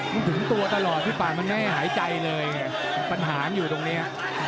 มันถึงตัวตลอดพี่ป่ามันไม่หายใจเลยปัญหามันอยู่ตรงนี้